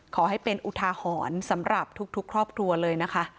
ขอให้เป็นอุทาหรณ์สำหรับทุกครอบครัวเลยนะคะ